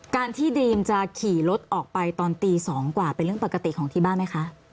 การที่ดีมจะขี่รถออกไปตอนตี๒กว่าเป็นเรื่องปกติของที่บ้านไหมคะ